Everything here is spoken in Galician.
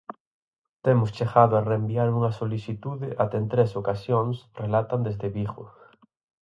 Temos chegado a reenviar unha solicitude até en tres ocasións, relatan desde Vigo.